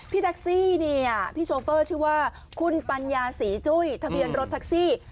พี่แท็กซี่เนี่ยพี่โชเฟอร์ชื่อว่าคุณปัญญาศรีจุ้ยทะเบียนรถแท็กซี่